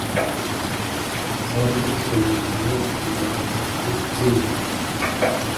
cyari gifite metero mirongo itatu z'uburebure.